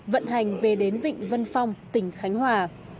vận hành về đến vịnh vân phong tỉnh khánh hòa